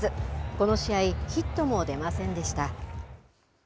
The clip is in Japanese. この試合、ヒットも出ませんでした。